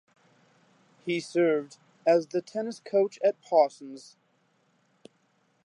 He served as the tennis coach at Parsons.